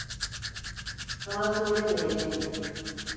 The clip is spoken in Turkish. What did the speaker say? Sana söylemeyeceğim.